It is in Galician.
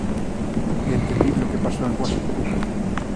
É terrible o que pasou en Washington.